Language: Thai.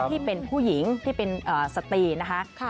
ที่เป็นผู้หญิงที่เป็นสตรีนะคะ